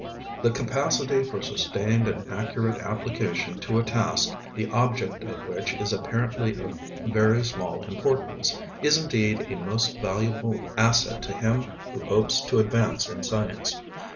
The capacity for sustained and accurate application to a task the object of which is apparently of very small importance, is indeed a most valuable asset to him who hopes to advance in science.